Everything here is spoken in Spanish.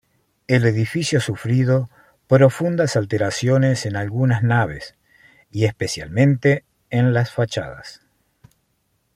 El edificio ha sufrido profundas alteraciones en algunas naves, y especialmente en las fachadas.